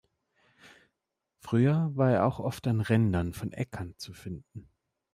Früher war er auch oft an Rändern von Äckern zu finden.